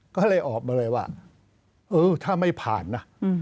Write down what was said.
ก็เลยออกมาเลยว่าเออถ้าไม่ผ่านนะ